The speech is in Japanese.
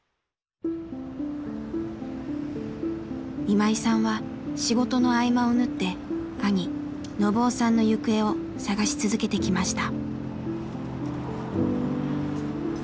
今井さんは仕事の合間を縫って兄信雄さんの行方を探し続けてきました。